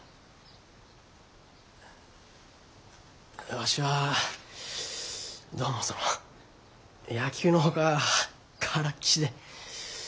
わしはどうもその野球のほかあからっきしで。